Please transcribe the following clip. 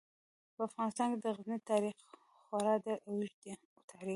په افغانستان کې د غزني تاریخ خورا ډیر اوږد تاریخ دی.